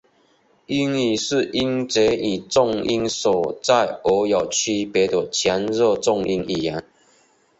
英语是音节以重音所在而有区别的强弱重音语言。